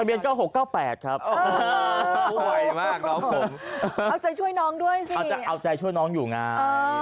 ทะเบียน๙๖๙๘ครับเอาใจช่วยน้องด้วยสิเอาใจช่วยน้องอยู่งาน